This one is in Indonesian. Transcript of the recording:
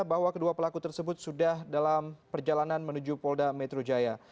bahwa kedua pelaku tersebut sudah dalam perjalanan menuju polda metro jaya